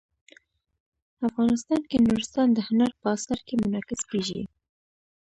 افغانستان کې نورستان د هنر په اثار کې منعکس کېږي.